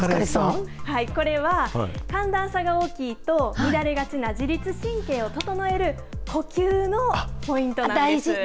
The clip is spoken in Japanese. これは寒暖差が大きいと、乱れがちな自律神経を整える呼吸のポイントなんです。